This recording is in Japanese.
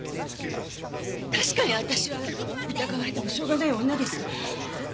確かに私は疑われてもしょうがない女です。